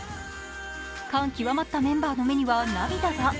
感極まったメンバーの目には涙が。